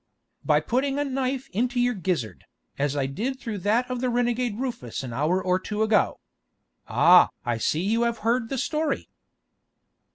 "By putting a knife into your gizzard, as I did through that of the renegade Rufus an hour or two ago! Ah! I see you have heard the story."